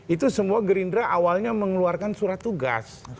itu semua gerindra awalnya mengeluarkan surat tugas